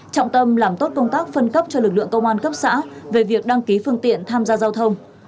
trọng tâm làm tốt công tác phân cấp cho lực lượng công an cấp xã về việc đăng ký phương tiện tham gia giao thông